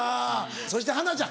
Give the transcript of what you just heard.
そして華ちゃん。